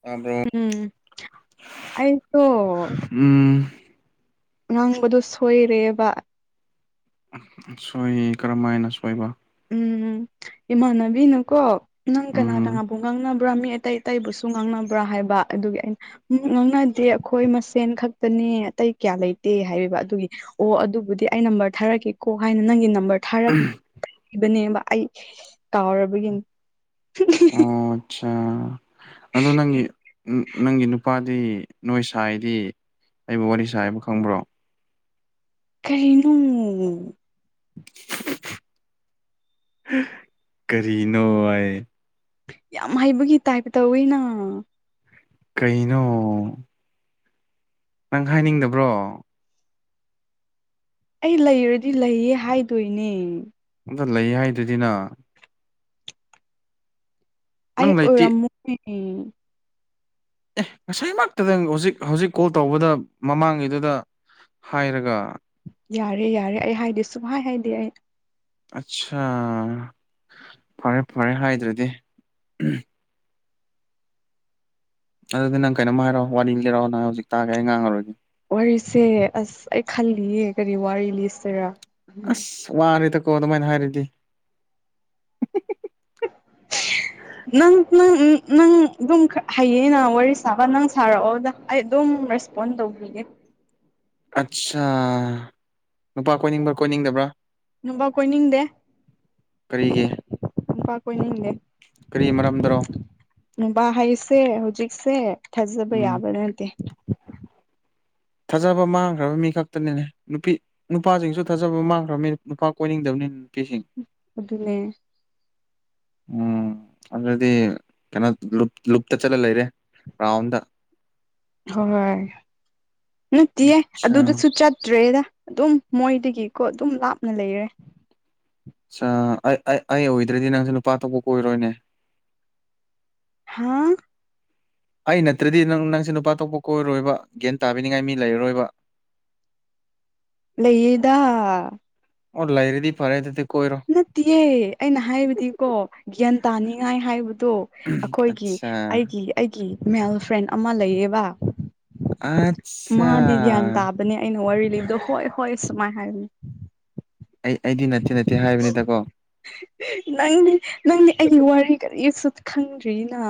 ꯇꯥꯕ꯭ꯔꯣ ꯎꯝ ꯑꯩꯁꯨ ꯎꯝ ꯉꯥꯡꯕꯗꯣ ꯁꯣꯏꯔꯦꯕ ꯁꯣꯏꯌꯦ ꯀꯔꯝꯃꯥꯏꯅ ꯁꯣꯏꯕ ꯎꯝ ꯏꯃꯥꯟꯅꯕꯤꯅꯀꯣ ꯅꯪ ꯀꯅꯥ ꯎꯝ ꯀꯅꯥꯕꯨ ꯉꯥꯡꯅ ꯄꯨꯔꯥ ꯃꯤ ꯑꯇꯩ ꯑꯇꯩꯕꯨꯁꯨ ꯉꯥꯡꯅꯕ꯭ꯔꯥ ꯍꯥꯏꯕ ꯑꯗꯨꯒꯤ ꯑꯩꯅ ꯎ ꯉꯥꯡꯅꯗꯦ ꯑꯩꯈꯣꯏ ꯃꯁꯦꯟ ꯈꯛꯇꯅꯦ ꯑꯇꯩ ꯀ꯭ꯌꯥ ꯂꯩꯇꯦ ꯍꯥꯏꯌꯦꯕ ꯑꯗꯨꯒꯤ ꯑꯣ ꯑꯗꯨꯕꯨꯗꯤ ꯑꯩ ꯅꯝꯕꯔ ꯊꯥꯔꯛꯀꯦꯀꯣ ꯍꯥꯏꯅ ꯅꯪꯒꯤ ꯅꯝꯕꯔ ꯊꯥꯔꯛ ꯑꯗꯨꯅꯦꯕ ꯑꯩ ꯇꯥꯎꯔꯕꯒꯤꯅꯤ ꯑꯣ ꯑꯆꯥ ꯑꯗꯣ ꯅꯪꯒꯤ ꯅꯪꯒꯤ ꯅꯨꯄꯥꯗꯤ ꯅꯣꯏ ꯁꯥꯏꯗꯤ ꯑꯩꯕꯨ ꯋꯥꯔꯤ ꯁꯥꯏꯕ ꯈꯪꯕ꯭ꯔꯣ ꯀꯔꯤꯅꯨ [unintelligible] ꯀꯔꯤꯅꯣ ꯍꯥꯏ ꯌꯥꯝ ꯍꯩꯕꯒꯤ ꯇꯥꯏꯞ ꯇꯧꯋꯤꯅ ꯀꯩꯅꯣ ꯅꯪ ꯍꯥꯏꯅꯤꯡꯗꯕ꯭ꯔꯣ ꯑꯩ ꯂꯩꯔꯗꯤ ꯂꯩꯌꯦ ꯍꯥꯏꯗꯣꯏꯅꯦ ꯑꯗꯨ ꯂꯩ ꯍꯥꯏꯗꯨꯗꯤꯅ ꯑꯩ ꯅꯪ ꯎꯔꯝ ꯂꯩꯇꯦ [unintelligible] ꯑꯦ ꯉꯁꯤꯃꯛꯇꯗꯪ ꯍꯧꯖꯤꯛ ꯍꯧꯖꯤꯛ ꯀꯣꯜ ꯇꯧꯕꯗ ꯃꯃꯥꯡꯒꯤꯗꯨꯗ ꯍꯥꯏꯔꯒ ꯌꯥꯔꯦ ꯌꯥꯔꯦ ꯑꯩ ꯍꯥꯏꯗꯤ ꯁꯨꯝ ꯍꯥꯏ ꯍꯥꯏꯗꯤꯦ ꯑꯩ ꯑꯠꯁꯥ ꯐꯔꯦ ꯐꯔꯦ ꯍꯥꯏꯗ꯭ꯔꯗꯤ ꯑꯗꯨꯗꯤ ꯅꯪ ꯀꯩꯅꯣꯝ ꯍꯥꯏꯔꯑꯣ ꯋꯥꯔꯤ ꯂꯩꯔꯛꯑꯣ ꯅꯍꯪ ꯍꯧꯖꯤꯛ ꯇꯥꯒꯦ ꯑꯩ ꯉꯥꯡꯉꯔꯒꯦ ꯋꯥꯔꯤꯁꯦ ꯑꯁ ꯑꯩ ꯈꯜꯂꯤꯌꯦ ꯀꯔꯤ ꯋꯥꯔꯤ ꯂꯤꯁꯤꯦꯔꯥ ꯑꯁ ꯋꯥꯔꯦꯗꯀꯣ ꯑꯗꯨꯃꯥꯏꯅ ꯍꯥꯏꯔꯗꯤ [inaudible] ꯅꯪ ꯅꯪ ꯅꯪ ꯑꯗꯨꯝ ꯍꯩꯌꯦꯅ ꯋꯥꯔꯤ ꯁꯥꯕ ꯅꯪ ꯁꯥꯔꯛꯑꯣꯗ ꯑꯩ ꯑꯗꯨꯝ ꯔꯦꯁ ꯐꯣꯟ ꯇꯧꯕꯤꯒꯦ ꯑꯠꯆꯥ ꯅꯨꯄꯥ ꯀꯣꯏꯅꯤꯡꯕ꯭ꯔꯥ ꯀꯣꯏꯅꯤꯡꯗꯕ꯭ꯔꯥ ꯅꯨꯅꯨꯡꯝꯕ ꯀꯣꯏꯅꯤꯡꯗꯦ ꯀꯔꯤꯒꯤ ꯑꯣꯄꯥ ꯀꯅꯅꯦꯦ ꯀꯔꯤ ꯃꯔꯝꯗꯔꯣ ꯅꯨꯡꯕꯥ ꯍꯩꯁꯦ ꯍꯧꯖꯤꯛꯁꯦ ꯊꯥꯖꯕ ꯎꯝ ꯌꯥꯕ ꯅꯠꯇꯦ ꯊꯥꯖꯕ ꯃꯥꯡꯈ꯭ꯔꯕ ꯃꯤ ꯈꯛꯇꯅꯤꯅꯦ ꯅꯨꯄꯤ ꯅꯨꯄꯥꯁꯤꯡꯁꯨ ꯊꯥꯖꯕ ꯃꯥꯡꯈ꯭ꯔꯕꯃꯤ ꯅꯨꯄꯥ ꯀꯣꯏꯅꯤꯡꯗꯕꯅꯤꯅ ꯅꯨꯄꯤꯁꯤꯡ ꯑꯗꯨ ꯑꯗꯨꯅꯦ ꯎꯝ ꯑꯗꯨꯗꯤ ꯀꯩꯅꯣ ꯂꯨꯞꯇ ꯆꯠꯂ ꯂꯩꯔꯦ ꯒ꯭ꯔꯥꯎꯟ ꯗ ꯍꯣꯏ ꯅꯠꯇꯌꯦꯦ ꯑꯆꯥ ꯑꯗꯨꯗꯁꯨ ꯆꯠꯇ꯭ꯔꯦꯗ ꯑꯗꯨꯝ ꯃꯣꯏꯗꯒꯤꯀꯣ ꯑꯗꯨꯝ ꯂꯥꯞꯅ ꯂꯩꯔꯦ ꯑ ꯑꯩ ꯑꯣꯏꯗ꯭ꯔꯗꯤ ꯅꯪꯁꯨ ꯅꯨꯄꯥ ꯊꯣꯛꯄ ꯀꯣꯏꯔꯣꯏꯅꯦ ꯍꯥꯝ ꯑꯩ ꯅꯠꯇ꯭ꯔꯗꯤ ꯅꯪ ꯅꯪꯁꯦ ꯅꯨꯄꯥ ꯊꯣꯛꯄ ꯀꯣꯏꯔꯣꯏꯕ ꯒ꯭ꯌꯥꯟ ꯇꯥꯕꯤꯅꯤꯡꯉꯥꯏ ꯃꯤ ꯂꯩꯔꯔꯣꯏꯕ ꯂꯩꯗ ꯑꯣ ꯂꯩꯔꯦꯗꯤ ꯐꯔꯦ ꯑꯗꯨꯗꯤ ꯀꯣꯏꯔꯣ ꯅꯠꯇꯦ ꯑꯩꯅ ꯍꯥꯏꯕꯗꯤꯀꯣ ꯒ꯭ꯌꯥꯟ ꯇꯥꯅꯤꯡꯉꯥꯏ ꯍꯥꯏꯕꯗꯣ ꯑꯩꯈꯣꯏꯒꯤ ꯑꯠꯆꯥ ꯑꯩꯒꯤ ꯑꯩꯒꯤ ꯃꯦꯜ ꯐ꯭ꯔꯦꯟ ꯑꯃ ꯂꯩꯌꯦꯕ ꯑ ꯃꯥꯗꯤ ꯒ꯭ꯌꯥꯟ ꯇꯥꯕꯅꯦ ꯑꯩꯅ ꯋꯥꯔꯤ ꯂꯤꯕꯗꯣ ꯍꯣꯏ ꯍꯣꯏ ꯁꯨꯃꯥꯏ ꯍꯥꯏꯕꯅꯤ ꯑꯩ ꯑꯩꯗꯤ ꯅꯠꯇꯦ ꯅꯠꯇꯦ ꯍꯥꯏꯕꯅꯤꯗ ꯀꯣ ꯅꯪꯅꯦ ꯅꯪꯅꯦ ꯑꯩꯒꯤ ꯋꯥꯔꯤ ꯀꯔꯤꯁꯨ ꯈꯪꯗ꯭ꯔꯤꯅ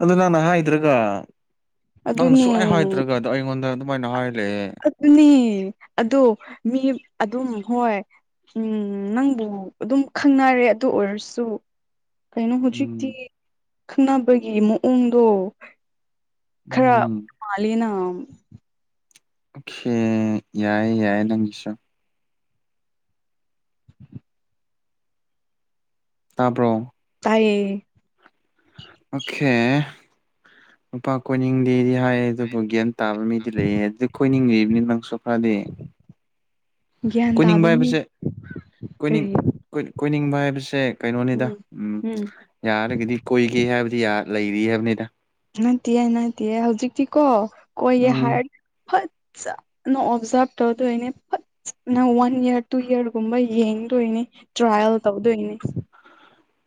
ꯑꯗꯨ ꯅꯪꯅ ꯍꯥꯏꯗ꯭ꯔꯒ ꯅꯪꯅ ꯑꯗꯨꯅꯦ ꯁꯨꯡꯂꯥꯏ ꯍꯥꯏꯗ꯭ꯔꯒ ꯑꯗ ꯑꯩꯉꯣꯟꯗ ꯑꯗꯨꯃꯥꯏꯅ ꯍꯥꯏꯔꯛꯑꯦ ꯑꯗꯨꯅꯤ ꯑꯗꯨ ꯃꯤ ꯑꯗꯨꯝ ꯍꯣꯏ ꯎꯝ ꯅꯪꯕꯨ ꯑꯗꯨꯝ ꯈꯪꯅꯔꯦ ꯑꯗꯨ ꯑꯣꯏꯔꯁꯨ ꯀꯩꯅꯣ ꯎꯝ ꯍꯧꯖꯤꯛꯇꯤ ꯈꯪꯅꯕꯒꯤ ꯃꯑꯣꯡꯗꯣ ꯈꯔ ꯎꯝ ꯃꯥꯂꯤꯅ ꯑꯣꯀꯦ ꯌꯥꯏꯌꯦ ꯌꯥꯏꯌꯦ ꯅꯪꯒꯤꯁꯨ ꯇꯥꯕ꯭ꯔꯣ ꯇꯥꯏꯌꯦ ꯑꯣꯀꯦ ꯂꯨꯄꯥ ꯀꯣꯅꯤꯡꯤꯡꯗꯤꯗꯤ ꯍꯥꯏ ꯑꯗꯨꯕꯨ ꯒ꯭ꯌꯥꯟ ꯇꯥꯕ ꯃꯤꯗꯤ ꯂꯩꯌꯦꯦ ꯑꯗꯨ ꯀꯣꯏꯅꯤꯡꯂꯤꯕꯅꯤꯅ ꯅꯪꯁꯨꯣ ꯈ꯭ꯔꯗꯤ ꯒ꯭ꯌꯥꯟ ꯀꯣꯏꯅꯤꯡꯕ ꯇꯥꯕ ꯃꯤ ꯍꯥꯏꯕꯁꯦ ꯀꯣꯏꯅꯤꯡ ꯀꯔꯤ ꯀꯣꯏꯅꯤꯡꯕ ꯍꯥꯏꯕꯁꯦ ꯀꯩꯅꯣꯅꯤꯗ ꯎꯝ ꯌꯥꯔꯒꯗꯤ ꯀꯨꯏꯒꯦ ꯍꯥꯏꯕꯗꯤ ꯂꯩꯔꯤ ꯍꯥꯏꯕꯅꯤꯗ [unintelligible] ꯎꯝ ꯅꯣ ꯑꯣꯕꯖꯔꯕ ꯇꯧꯗꯨꯅꯦ ꯅꯪ ꯋꯥꯟ ꯏꯔ ꯇꯨ ꯏꯔꯒꯨꯝꯕ ꯌꯦꯡꯗꯣꯏꯅꯤ ꯇ꯭ꯔꯥꯏꯌꯦꯜ ꯇꯧꯗꯣꯏꯅꯤ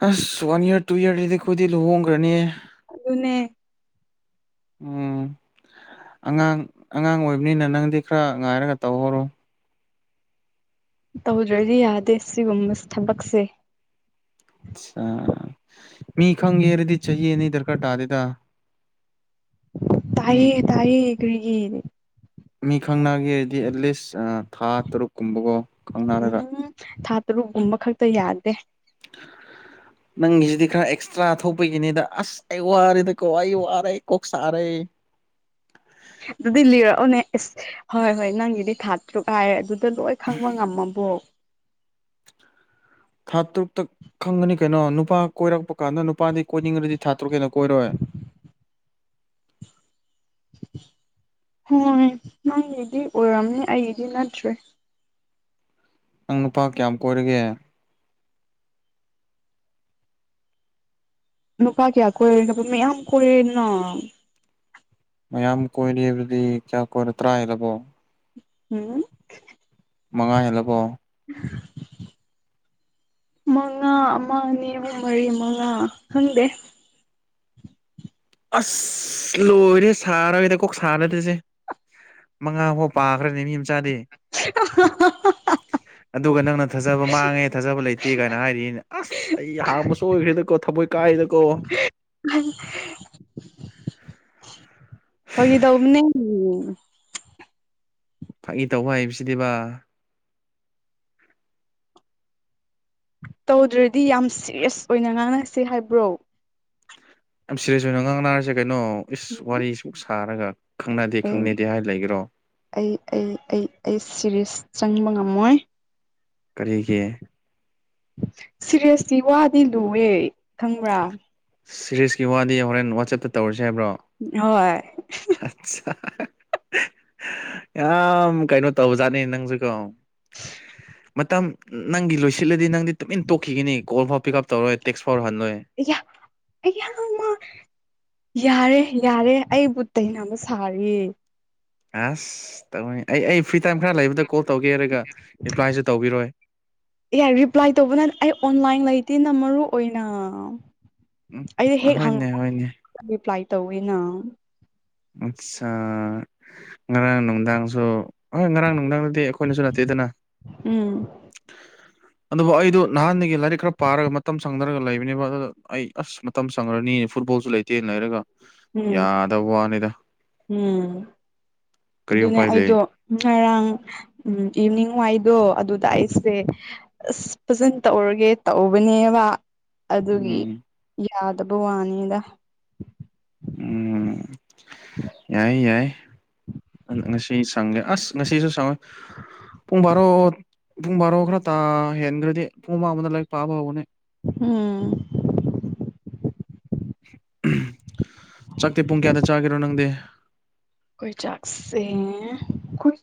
ꯑꯁ ꯋꯥꯟ ꯏꯔ ꯇꯨ ꯏꯔꯁꯤꯗꯤ ꯑꯩꯈꯣꯏꯗꯤ ꯂꯨꯍꯣꯡꯈ꯭ꯔꯅꯦ ꯑꯗꯨꯅꯦ ꯎꯝ ꯑꯉꯥꯡ ꯑꯉꯥꯡ ꯑꯣꯏꯕꯅꯤꯅ ꯅꯪꯗꯤ ꯈꯔ ꯉꯥꯏꯔꯒ ꯇꯧꯍꯧꯔꯣ ꯇꯧꯗ꯭ꯔꯗꯤ ꯌꯥꯗꯦ ꯁꯤꯒꯨꯝꯕ ꯊꯕꯛꯁꯦ ꯑ ꯃꯤ ꯈꯪꯒꯦ ꯍꯥꯏꯔꯗꯤ ꯆꯍꯤ ꯑꯅꯤ ꯗꯔꯀꯥꯔ ꯇꯥꯗꯦꯗ ꯃꯤ ꯇꯥꯏꯌꯦ ꯇꯥꯏꯌꯦ ꯀꯔꯤꯒꯤ ꯃꯤ ꯈꯪꯅꯒꯦ ꯍꯥꯏꯔꯗꯤ ꯑꯦꯠꯂꯤꯁ ꯊꯥ ꯇꯔꯨꯛ ꯀꯨꯝꯕꯒꯣ ꯈꯪꯅꯔꯒ ꯎꯝ ꯊꯥ ꯇꯔꯨꯛꯀꯨꯝꯕ ꯈꯛꯇ ꯌꯥꯗꯦ ꯅꯪꯒꯤꯁꯤꯗꯤ ꯈꯔ ꯑꯦꯛꯁꯇ꯭ꯔꯥ ꯊꯣꯛꯄꯒꯤꯅꯤꯗ ꯑꯁ ꯑꯩ ꯋꯥꯔꯦꯗ ꯀꯣ ꯑꯩ ꯋꯥꯔꯦ ꯀꯣꯛ ꯁꯥꯔꯦ ꯑꯗꯨꯗꯤ ꯂꯤꯔꯛꯑꯣꯅꯦ ꯑꯁ ꯍꯣꯏ ꯍꯣꯏ ꯅꯪꯒꯤꯗꯤ ꯊꯥ ꯇꯔꯨꯛ ꯍꯥꯏꯔꯦ ꯑꯗꯨ ꯑꯗ ꯂꯣꯏ ꯈꯪꯕ ꯉꯝꯃꯕꯣ ꯊꯥ ꯇꯔꯨꯛꯇ ꯈꯪꯒꯅꯤ ꯀꯩꯅꯣ ꯅꯨꯄꯥ ꯀꯣꯏꯔꯛꯄ ꯀꯥꯟꯗ ꯅꯨꯄꯥꯗꯤ ꯀꯣꯏꯅꯤꯡꯉꯗꯤ ꯊꯥ ꯇꯔꯨꯛ ꯍꯦꯟꯂꯥꯗꯤ ꯀꯣꯏꯔꯣꯏ ꯍꯣꯏ ꯅꯪꯒꯤꯗꯤ ꯑꯣꯏꯔꯝꯅꯤ ꯑꯩꯒꯤꯗꯤ ꯅꯠꯇ꯭ꯔꯦ ꯅꯪ ꯅꯨꯄꯥ ꯀꯌꯥꯝ ꯀꯣꯏꯔꯒꯦ ꯅꯨꯄꯥ ꯀꯌꯥꯝ ꯀꯣꯏꯔꯒꯦ ꯍꯥꯏꯕ ꯃꯌꯥꯝ ꯀꯣꯏꯔꯦꯅ ꯃꯌꯥꯝ ꯀꯣꯏꯔꯦ ꯍꯥꯏꯕꯗꯤ ꯀꯌꯥ ꯀꯣꯏꯔꯣ ꯇꯔꯥ ꯍꯦꯜꯂꯕꯣ ꯎꯝ ꯃꯉꯥ ꯍꯦꯜꯂꯕꯣ ꯎꯝ ꯃꯉꯥ ꯑꯃ ꯑꯅꯤ ꯑꯍꯨꯝ ꯃꯔꯤ ꯃꯉꯥ ꯈꯪꯗꯦ ꯑꯁ ꯂꯣꯏꯔꯦ ꯁꯥꯔꯦꯗꯀꯣ ꯀꯣꯛ ꯁꯥꯗꯀꯣ ꯑꯩꯁꯦ ꯃꯉꯥ ꯐꯥꯎ ꯄꯥꯈ꯭ꯔꯅꯦ ꯃꯤ ꯃꯆꯥꯗꯤ ꯍꯥ ꯍꯥ ꯑꯗꯨꯒ ꯅꯪꯅ ꯊꯥꯖꯕ ꯃꯥꯡꯉꯦ ꯊꯥꯖꯕ ꯂꯩꯇꯦ ꯀꯥꯏꯅ ꯍꯥꯏꯔꯤꯅꯤꯅꯦ ꯑꯁ ꯑꯁ ꯑꯩ ꯍꯥꯪꯕ ꯁꯣꯏꯈ꯭ꯔꯦꯗꯀꯣ ꯊꯃꯣꯏ ꯀꯥꯏꯗꯀꯣ ꯐꯥꯒꯤ ꯇꯧꯕꯅꯤ꯫ [unintelligible] ꯐꯥꯒꯤ ꯇꯧꯕ ꯍꯩꯕꯁꯤꯗꯤꯕ ꯇꯧꯗ꯭ꯔꯗꯤ ꯌꯥꯝ ꯁꯦꯔꯦꯁ ꯑꯣꯏꯅ ꯉꯥꯡꯅꯁꯦ ꯍꯥꯏꯕ꯭ꯔꯣ ꯌꯥꯝ ꯁꯤꯔꯦꯖ ꯑꫭꯏꯅꯣ ꯉꯥꯡꯅꯥꯔꯁꯦ ꯀꯩꯅꯣ ꯏꯁ ꯋꯥꯔꯤꯁꯨꯛ ꯁꯥꯔꯒ ꯈꯪꯅꯗꯦ ꯑꯩ ꯈꯪꯅꯗꯦ ꯍꯥꯏꯔ ꯂꯩꯒꯦꯔꯣ ꯑꯩ ꯑꯩ ꯑꯩ ꯑꯩ ꯁꯦꯔꯤꯁ ꯆꯪꯕ ꯉꯝꯃꯣꯏ ꯀꯔꯤꯒꯤ ꯁꯤꯔꯦꯁꯇꯤ ꯋꯥꯗꯤ ꯂꯨꯏꯑꯦ ꯈꯪꯕ꯭ꯔꯥ ꯁꯤꯔꯤꯁꯀꯤ ꯋꯥꯗꯤ ꯍꯣꯔꯦꯟ ꯋꯥꯆꯞꯇ ꯇꯧꯔꯁꯤ ꯍꯥꯏꯕ꯭ꯔꯣ ꯍꯣꯏ ꯑꯁ ꯌꯥꯝ ꯀꯩꯅꯣ ꯇꯧꯕꯖꯥꯠꯅꯤ ꯅꯪꯁꯨꯀꯣ ꯏꯁ ꯃꯇꯝ ꯅꯪꯒꯤ ꯂꯣꯏꯁꯤꯜꯂꯗꯤ ꯅꯪꯗꯤ ꯇꯨꯃꯤꯟ ꯇꯣꯛꯈꯤꯒꯅꯤ ꯀꯣꯜ ꯐꯥꯎ ꯄꯤꯛꯑꯞ ꯇꯧꯔꯣꯏ ꯇꯦꯛꯁꯐꯥꯎ ꯍꯜꯂꯣꯏ ꯑꯌꯥ ꯌꯥꯝ ꯌꯥꯔꯦ ꯌꯥꯔꯦ ꯑꯩꯕꯨ ꯇꯥꯏꯅꯕ ꯁꯥꯔꯤꯌꯦ ꯑꯁ ꯇꯧꯅꯤꯡ ꯑꯩ ꯑꯩ ꯐ꯭ꯔꯤ ꯇꯥꯏꯝ ꯈꯔ ꯂꯩꯕꯗ ꯀꯣꯜ ꯇꯧꯒꯦ ꯍꯥꯏꯔꯒ ꯔꯤꯄ꯭ꯂꯥꯏꯁꯨ ꯇꯧꯕꯤꯔꯣꯏ ꯌꯥꯏ ꯔꯤꯄ꯭ꯂꯥꯏ ꯇꯧꯕꯅ ꯑꯩ ꯑꯣꯟꯂꯥꯏꯟ ꯂꯩꯇꯦꯅ ꯃꯔꯨ ꯑꯣꯏꯅ ꯎꯝ ꯑꯩꯗꯤ ꯍꯦꯛ ꯍꯣꯏꯅꯦ ꯍꯪꯕ ꯍꯣꯏꯅꯦ ꯔꯤꯄ꯭ꯂꯥꯏ ꯇꯧꯋꯤꯅ ꯑꯆꯥ ꯉꯔꯥꯡ ꯅꯨꯡꯗꯥꯡꯁꯨ ꯍꯣꯏ ꯉꯔꯥꯡ ꯅꯨꯡꯗꯥꯡ ꯇꯦ ꯑꯩꯈꯣꯏꯅꯁꯨ ꯅꯠꯇꯦꯗꯅ ꯎꯝ ꯑꯗꯨꯕꯨ ꯑꯩꯗꯨ ꯅꯍꯥꯟꯗꯒꯤ ꯂꯥꯏꯔꯤꯛ ꯈꯔ ꯄꯥꯔꯒ ꯃꯇꯝ ꯁꯪꯗꯔꯒ ꯂꯩꯕꯅꯦꯕ ꯑꯗꯨꯗ ꯑꯩ ꯑꯁ ꯃꯇꯝ ꯆꯪꯉꯔꯅꯤ ꯐꯨꯠꯕꯣꯜꯁꯨ ꯂꯩꯇꯦꯅ ꯂꯩꯔꯒ ꯎꯝ ꯌꯥꯗꯕ ꯋꯥꯅꯤꯗ ꯎꯝ ꯀꯔꯤ ꯑꯗꯨꯅꯦ ꯎꯄꯥꯏ ꯂꯩ ꯑꯩꯗꯣ ꯉꯔꯥꯡ ꯏꯕꯤꯅꯤꯡ ꯋꯥꯏꯗꯣ ꯑꯗꯨꯗ ꯑꯩꯁꯦ ꯑꯁ ꯐꯖꯅ ꯇꯧꯔꯒꯦ ꯇꯧꯕꯅꯦꯕ ꯑꯗꯨꯒꯤ ꯎꯝ ꯌꯥꯗꯕ ꯋꯥꯅꯤꯗ ꯎꯝ ꯌꯥꯏ ꯌꯥꯏ ꯉꯁꯤ ꯑꯁ ꯉꯁꯤꯁꯨ ꯁꯪꯉꯣꯏ ꯄꯨꯡ ꯕꯥꯔꯣ ꯄꯨꯡ ꯕꯥꯔꯣ ꯈꯔ ꯇꯥ ꯍꯦꯟꯈ꯭ꯔꯗꯤ ꯄꯨꯡ ꯑꯃ ꯑꯃꯗ ꯂꯥꯏꯔꯤꯛ ꯄꯥꯕ ꯍꯧꯕꯅꯤ ꯎꯝ ꯆꯥꯛꯇꯤ ꯄꯨꯡ ꯀꯌꯥꯗ ꯆꯥꯒ‌ꯦꯔꯣ ꯅꯪꯗꯤ ꯈ‌ꯣꯏ ꯆꯥꯛꯁꯦ ꯈ‌ꯣꯏ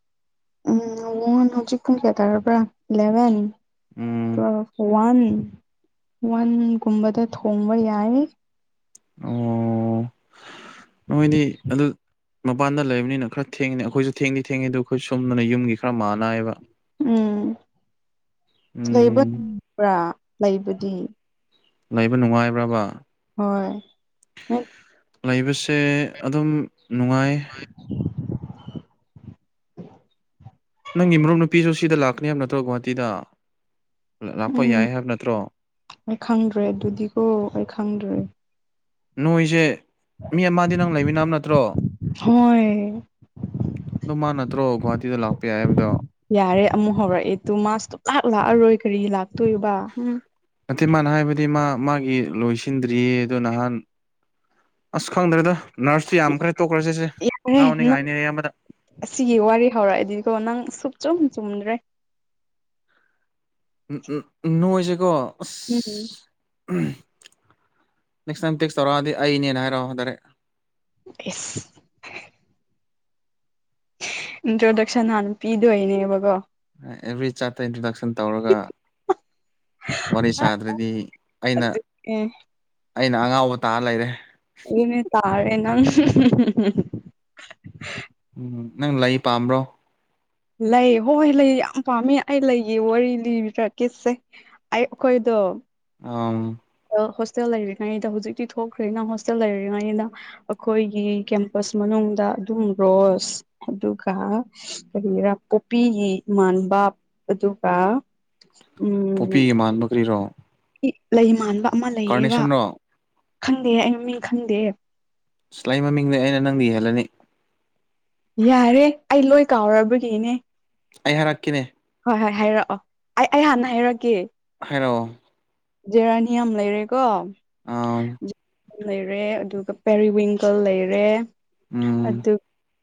ꯎꯝ [unintelligible] ꯍꯧꯖꯤꯛ ꯄꯨꯡ ꯀꯌꯥ ꯇꯥꯔꯕ꯭ꯔꯥ ꯏꯂꯦꯚꯦꯟ ꯎꯝ ꯋꯥꯟ ꯋꯥꯟꯒꯨꯝꯕꯗ ꯊꯣꯡꯕ ꯌꯥꯏ ꯑꯣ ꯅꯣꯏꯗꯤ ꯑꯗꯨ ꯃꯄꯥꯟꯗ ꯂꯩꯕꯅꯤꯅ ꯈꯔ ꯊꯦꯡꯉꯤꯅꯦ ꯑꯩꯈꯣꯏꯁꯨ ꯊꯦꯡꯗꯤ ꯊꯦꯡꯉꯤ ꯑꯗꯨ ꯑꯩꯈꯣꯏ ꯁꯨꯝꯗꯅ ꯌꯨꯝꯒꯤ ꯈꯔ ꯃꯥꯟꯂ ꯍꯥꯏꯕ ꯎꯝ ꯂꯩꯕ ꯎꯝ [inaudible] ꯕ꯭ꯔꯥ ꯂꯩꯕꯗꯤ ꯂꯩꯕ ꯅꯨꯡꯉꯥꯏꯕ꯭ꯔꯕ ꯍꯣꯏ ꯂꯩꯕꯁꯦ ꯑꯗꯨꯝ ꯅꯨꯡꯉꯥꯏ [inaudible] ꯅꯪꯒꯤ ꯃꯔꯨꯞ ꯅꯨꯄꯤꯁꯨ ꯁꯤꯗꯥ ꯂꯥꯛꯀꯅꯦ ꯍꯥꯏꯕ ꯅꯠꯇ꯭ꯔꯣ ꯒꯨꯍꯥꯇꯤꯗ ꯂ ꯂꯥꯛꯄ ꯎꯝ ꯌꯥꯏ ꯍꯥꯏꯕ ꯅꯠꯇ꯭ꯔꯣ ꯑꯩ ꯈꯪꯗ꯭ꯔꯦ ꯑꯗꯨꯗꯤꯀꯣ ꯑꯩ ꯈꯪꯗ꯭ꯔꯦ ꯅꯣꯏꯁꯦ ꯃꯤ ꯑꯃꯗꯤ ꯅꯪ ꯂꯩꯃꯤꯅꯕ ꯅꯠꯇ꯭ꯔꯣ ꯍꯣꯏ ꯑꯗꯣ ꯃꯥ ꯅꯠꯇ꯭ꯔꯣ ꯒꯨꯍꯥꯇꯤꯗ ꯂꯥꯛꯄ ꯌꯥꯏ ꯍꯥꯏꯕꯗꯣ ꯌꯥꯔꯦ ꯑꯃꯨꯛ ꯍꯧꯔꯛꯑꯦ ꯇꯨ ꯃꯥ ꯁꯨꯛꯂꯥꯛ ꯂꯥꯛꯑꯔꯣꯏ ꯀꯔꯤꯒꯤ ꯂꯥꯛꯇꯣꯏꯕ ꯍꯨꯝ ꯅꯠꯇꯦ ꯃꯥꯅ ꯍꯥꯏꯕꯗꯤ ꯃꯥ ꯃꯥꯒꯤ ꯂꯣꯏꯁꯤꯟꯗ꯭ꯔꯤꯌꯦ ꯑꯗꯨ ꯅꯍꯥꯟ ꯑꯁ ꯈꯪꯗ꯭ꯔꯦꯗ ꯅꯔꯁꯇꯨ ꯌꯥꯝꯈ꯭ꯔꯦ ꯇꯣꯛꯈ꯭ꯔꯁꯤꯁꯦ ꯌꯥꯔꯦ ꯅꯪ ꯉꯥꯎꯅꯤꯉꯥꯏꯅꯤ ꯑꯌꯥꯝꯕꯗ ꯑꯁꯤꯒꯤ ꯋꯥꯔꯤ ꯍꯧꯔꯛꯑꯗꯤꯀꯣ ꯅꯪ ꯁꯨꯛꯆꯨꯝ ꯆꯨꯝꯗ꯭ꯔꯦ ꯎ ꯎ ꯅꯣꯏꯁꯦꯀꯣ ꯑ [unintelligible] ꯅꯦꯛꯁ ꯇꯥꯏꯝ ꯇꯦꯛꯁ ꯇꯧꯔꯛꯑꯗꯤ ꯑꯩꯅꯦꯅ ꯍꯥꯏꯔꯛꯑꯣ ꯗꯥꯏꯔꯛ [unintelligible] ꯏꯟꯇ꯭ꯔꯗꯛꯁꯟ ꯍꯥꯟꯅ ꯄꯤꯗꯣꯏꯅꯦꯕꯀꯣ ꯑꯦꯚ꯭ꯔꯤ ꯆꯥꯔꯠꯇ ꯏꯟꯇ꯭ꯔꯣꯗꯛꯁꯟ ꯇꯧꯔꯒ ꯋꯥꯔꯤ ꯁꯥꯗ꯭ꯔꯗꯤ ꯑꯩꯅ ꯑꯗꯨ ꯑꯦ ꯑꯩꯅ ꯑꯉꯥꯎꯕ ꯇꯥ ꯂꯩꯔꯦ ꯑꯗꯨꯅꯦ ꯇꯥꯔꯦ ꯅꯪ [unintelligible] ꯎꯝ ꯅꯪ ꯂꯩ ꯄꯥꯝꯕ꯭ꯔꯣ ꯂꯩ ꯍꯣꯏ ꯂꯩ ꯌꯥꯝ ꯄꯥꯝꯃꯦ ꯑꯩ ꯂꯩꯒꯤ ꯋꯥꯔꯤ ꯂꯤꯕꯤꯔꯛꯀꯦꯁꯦ ꯑꯩ ꯑꯈꯣꯏꯗ‌ꯣ ꯑꯥꯝ ꯑꯗꯣ ꯍꯣꯁꯇꯦꯜ ꯂꯩꯔꯤꯉꯩꯗ ꯍꯧꯖꯤꯛꯇꯤ ꯊꯣꯛꯈ꯭ꯔꯦꯅ ꯍꯣꯁꯇꯦꯜ ꯂꯩꯔꯤꯉꯩꯗ ꯑꯈꯣꯏꯒꯤ ꯀꯦꯝꯄꯁ ꯃꯅꯨꯡꯗ ꯑꯗꯨꯝ ꯔꯣꯁ ꯑꯗꯨꯒ ꯀꯔꯤꯔꯥ ꯄꯣꯞꯄꯤꯒꯤ ꯃꯥꯟꯕ ꯑꯗꯨꯒ ꯎꯝ ꯄꯣꯄꯤꯒꯤ ꯃꯥꯟꯕ ꯀꯩꯔꯣ ꯂꯩ ꯃꯥꯟꯕ ꯑꯃ ꯂꯩꯌꯦꯕ ꯈꯪꯗꯦ ꯑꯩ ꯃꯃꯤꯡ ꯈꯪꯗꯦ ꯏꯁ ꯂꯩ ꯃꯃꯤꯡꯗꯤ ꯑꯩꯅ ꯅꯪꯗꯩ ꯍ‌ꯦꯜꯂꯅꯤ ꯌꯥꯔꯦ ꯑꯩ ꯂꯣꯏ ꯀꯥꯎꯔꯕꯒꯤꯅꯦ ꯑꯩ ꯍꯥꯏꯔꯛꯀꯦꯅꯦ ꯍꯣꯏ ꯍꯣꯏ ꯍꯥꯏꯔꯛꯑꯣ ꯑꯩ ꯑꯩ ꯍꯥꯟꯅ ꯍꯥꯏꯔꯛꯀꯦ ꯍꯥꯏꯔ‌ꯣ ꯖꯦꯔꯥꯅꯤꯌꯝ ꯂꯩꯔꯦꯀꯣ ꯑ ꯖ‌ꯦ ꯂꯩꯔꯦ ꯑꯗꯨꯒ ꯄꯦꯔꯤ ꯋꯤꯡꯒꯜ ꯂꯩꯔꯦ ꯎꯝ ꯑꯗꯨ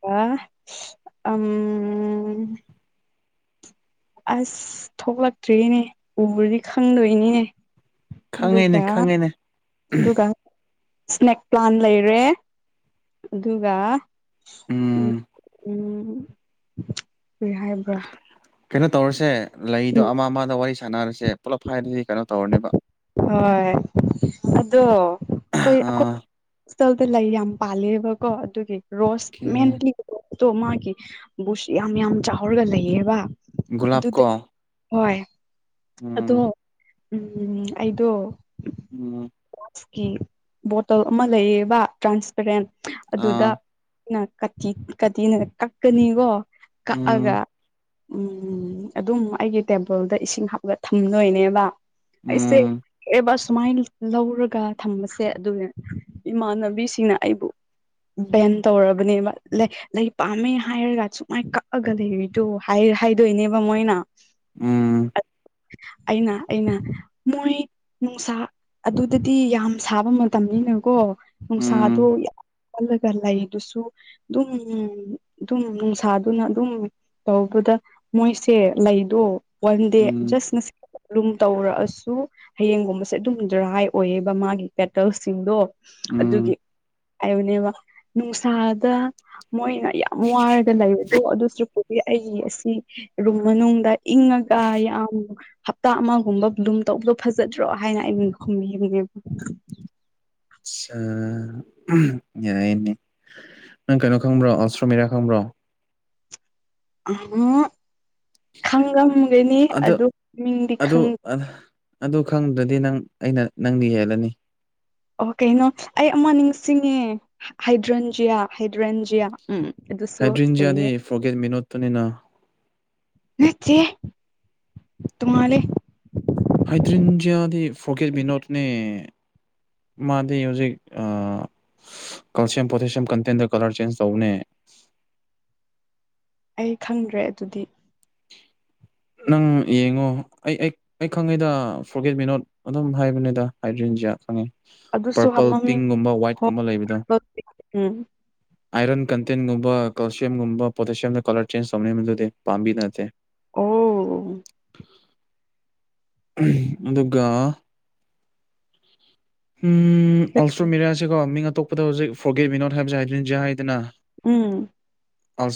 ꯒ ꯑꯝ ꯑꯁ ꯊꯣꯛꯂꯛꯇ꯭ꯔ‌ꯦꯅꯦ ꯎꯔꯗꯤ ꯈꯪꯗꯣꯏꯅꯤꯅꯦ ꯈꯪꯉꯦꯅꯦ ꯑꯗꯨꯒ ꯈꯪꯉꯦꯅꯦ ꯑꯗꯨꯒ ꯏꯁꯅꯦꯛ ꯄ꯭ꯂꯥꯟ ꯂꯩꯔꯦ ꯑꯗꯨꯒ ꯎꯝ ꯎ ꯎꯝ ꯍꯥꯏꯕ꯭ꯔ ꯀꯩꯅꯣ ꯇꯧꯔꯁꯦ ꯂꯩꯗꯣ ꯑꯃ ꯑꯃꯗ ꯋꯥꯔꯤ ꯁꯥꯟꯅꯔꯁꯦ ꯄꯨꯂꯞ ꯍꯥꯏꯔꯗꯤ ꯀꯩꯅꯣ ꯇꯧꯔꯅꯦꯕ ꯍꯣꯏ ꯑꯗꯣ ꯑꯈꯣꯏ ꯑꯈꯣꯏ ꯑ ꯁ꯭ꯇꯜꯗ ꯂꯩ ꯌꯥꯝ ꯄꯥꯜꯂꯦꯕꯀꯣ ꯑꯗꯨꯒꯤ ꯔꯣꯁ ꯀꯦ- ꯃꯦꯟꯂꯤ ꯔꯣꯁꯇꯣ ꯃꯥꯒꯤ ꯕꯨꯁ ꯌꯥꯝ ꯌꯥꯝ ꯆꯥꯎꯔꯒ ꯂꯩꯌꯦꯕ ꯨꯂꯞ ꯑꯗꯨꯗ ꯀꯣ ꯍꯣꯏ ꯑꯗꯣ ꯎꯝ ꯎꯝ ꯑꯩꯗꯣ ꯎꯝ [unintelligible] ꯀꯤ ꯕꯣꯇꯜ ꯑꯃ ꯂꯩꯌꯦꯕ ꯇ꯭ꯔꯥꯟꯁꯄꯦꯔꯦꯟ ꯑꯗꯨꯗ ꯑ ꯀ ꯀꯥꯇꯤꯅ ꯀꯛꯀꯅꯤꯀꯣ ꯀꯛꯑꯒ ꯎꯝ ꯎꯝ ꯑꯗꯨꯝ ꯑꯩꯒꯤ ꯇꯦꯝꯄꯜꯗ ꯏꯁꯤꯡ ꯍꯥꯞꯂꯒ ꯊꯝꯗꯣꯏꯅꯦꯕ ꯑꯩꯁꯦ ꯎꯝ ꯑꯦ ꯁꯨꯃꯥꯏꯅ ꯂꯧꯔꯒ ꯊꯝꯕꯁꯦ ꯑꯗꯨ ꯏꯃꯥꯟꯅꯕꯤꯁꯤꯡꯅ ꯑꯩꯕꯨ ꯕꯦꯟ ꯇꯧꯔꯕꯅꯦ ꯂꯩ ꯂꯩ ꯄꯥꯝꯃꯦ ꯍꯥꯏꯔꯒ ꯁꯨꯃꯥꯏꯅ ꯀꯛꯑꯒ ꯂꯩꯔꯤꯗꯣ ꯍꯥꯏ ꯍꯥꯏꯗꯣꯏꯅꯦꯕ ꯃꯣꯏꯅ ꯎꯝ ꯑꯩꯅ ꯑꯩꯅ ꯃꯣꯏ ꯅꯨꯡꯁꯥ ꯑꯗꯨꯗꯥꯗꯤ ꯌꯥꯝ ꯁꯥꯕ ꯃꯇꯝꯅꯤꯅꯀꯣ ꯎꯝ ꯅꯨꯡꯁꯥꯗꯣ ꯌꯥ ꯑꯣꯜꯂꯒ ꯂꯩꯗꯨꯁꯨ ꯑꯗꯨꯝ ꯑꯗꯨꯝ ꯅꯨꯡꯁꯥꯗꯨꯅ ꯑꯗꯨꯝ ꯇꯧꯕꯗ ꯃꯣꯏꯁꯦ ꯂꯩꯗꯣ ꯋꯥꯟ ꯗꯦ ꯎꯝ ꯅ ꯑꯗꯨꯨꯝ ꯇꯧꯔꯛꯑꯁꯨ ꯍꯌꯦꯡꯒꯨꯝꯕꯁꯦ ꯑꯗꯨꯝ ꯗ꯭ꯔꯥꯏ ꯑꯣꯏꯌꯦꯕ ꯃꯥꯒꯤ ꯄꯦꯇꯜꯁꯤꯡꯗꯣ ꯑꯗꯨꯒꯤ ꯎꯝ ꯍꯥꯏꯕꯅꯦꯕ ꯅꯨꯡꯁꯥꯗ ꯃꯣꯏꯅ ꯌꯥꯝ ꯋꯥꯔꯒ ꯂꯩꯕꯗꯣ ꯑꯗꯨꯁꯨꯄ ꯑꯩ ꯑꯁꯤ ꯔꯨꯝ ꯃꯅꯨꯡꯗ ꯏꯪꯉꯒ ꯌꯥꯝ ꯎꯝ ꯍꯞꯇꯥ ꯑꯃꯒꯨꯝꯕ ꯑꯗꯨꯨꯝ ꯇꯧꯕꯗꯣ ꯐꯖꯗ꯭ꯔꯣ ꯍꯥꯏꯅ ꯑꯩꯅ ꯈꯨꯝꯕꯤꯕꯅꯦꯕ ꯌꯥꯏꯅꯤ ꯅꯪ ꯀꯩꯅꯣ ꯈꯪꯕ꯭ꯔꯣ ꯑꯁꯇ꯭ꯔꯣꯃꯦꯔꯤꯌꯥ ꯈꯪꯕ꯭ꯔꯣ ꯑ ꯈꯪꯉꯝꯒꯅꯤ ꯑꯗꯨ ꯃꯤꯡꯗꯤ ꯈ ꯑꯗꯨ ꯑ- ꯑꯗꯨ ꯈꯪꯗ꯭ꯔꯗꯤ ꯅꯪ ꯑꯩꯅ ꯅꯪꯗꯤ ꯌꯦꯜꯂꯅꯤ ꯑꯣ ꯀꯩꯅꯣ ꯑꯩ ꯑꯃ ꯅꯤꯡꯁꯤꯡꯉꯦ ꯍꯥꯏꯗ꯭ꯔꯟꯖꯤꯌꯥ ꯍꯥꯏꯗ꯭ꯔꯟꯖꯤꯌꯥ ꯎꯝ ꯑꯗꯨꯁꯨ ꯍꯥꯏꯗ꯭ꯔꯤꯟꯖꯤꯌꯥꯗꯤ ꯂꯩꯩꯌꯦ ꯐꯣꯔꯒꯦꯠ ꯃꯤꯅꯣꯠꯇꯨꯅꯤꯅ ꯅꯆꯦ ꯇꯨꯉꯥꯜꯂꯤ ꯍꯥꯏꯗꯔꯤꯟꯖꯤꯌꯥꯗꯤ ꯐꯣꯔꯒꯦꯠ ꯕꯤꯅꯣꯠꯅꯦ ꯃꯥꯗꯤ ꯍꯧꯖꯤꯛ ꯑ ꯀꯜꯁꯤꯌꯝ ꯄꯣꯇꯦꯁꯤꯌꯝ ꯀꯟꯇꯦꯟꯗꯥ ꯀꯂꯔ ꯆꯦꯟꯖ ꯇꯧꯕꯅꯦ ꯑꯩ ꯈꯪꯗ꯭ꯔꯦ ꯑꯗꯨꯗꯤ ꯅꯪ ꯌꯦꯡꯉꯣ ꯑꯩ ꯑꯩ ꯑꯩ ꯈꯪꯉꯤꯗ ꯐꯣꯔꯒꯦꯠ ꯃꯤꯅꯣꯠ ꯑꯗꯨꯝ ꯍꯥꯏꯕꯅꯤꯗ ꯍꯥꯏꯗ꯭ꯔꯤꯟꯖꯤꯌꯥ ꯈꯪꯉꯤ ꯑꯗꯨꯁꯨ ꯄꯔꯄꯜ ꯃꯃꯤꯡ ꯄꯤꯡꯒꯨꯝꯕ ꯍꯣ ꯋꯥꯏꯠꯀꯨꯝꯕ ꯂꯩꯕꯗꯣ ꯎꯝ ꯑꯥꯏꯔꯟ ꯀꯟꯇꯦꯟꯒꯨꯝꯕ ꯀꯦꯜꯁꯤꯌꯝꯒꯨꯝꯕ ꯄꯣꯇꯦꯁꯤꯌꯝꯗ ꯀꯂꯔ ꯆꯦꯟꯖ ꯇꯧꯅꯤ ꯃꯗꯨꯗꯤ ꯄꯥꯝꯕꯤ ꯅꯠꯇꯦ ꯑꯣ ꯑꯗꯨꯒ ꯎꯝ ꯑꯜꯇ꯭ꯔꯣ ꯃꯤꯔꯁꯦꯀꯣ ꯃꯤꯡ ꯑꯇꯣꯞꯄꯗ ꯍꯧꯖꯤꯛ ꯐꯣꯒꯦꯠ ꯃꯤꯅꯣꯠ ꯍꯥꯏꯕꯁꯦ ꯍꯥꯏꯗ꯭ꯔꯤꯟꯖꯌꯥ ꯍꯥꯏꯗꯅ ꯎꯝ ꯑ [unintelligible]